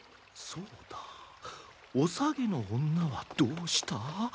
そうだおさげの女はどうした？